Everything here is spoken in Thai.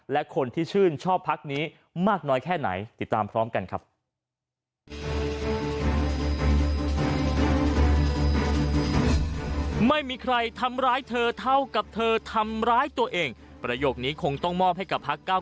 และคนที่ชื่นชอบพักนี้มากน้อยแค่ไหนติดตามพร้อมกันครับ